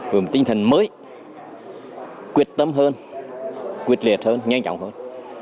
gồm tinh thần mới quyết tâm hơn quyết liệt hơn nhanh chóng hơn